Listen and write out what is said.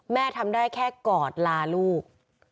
ทำได้แค่กอดลาลูก